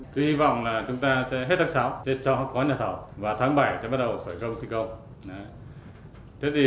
tôi hy vọng là chúng ta sẽ hết tháng sáu sẽ cho có nhà thầu và tháng bảy sẽ bắt đầu khởi công thi công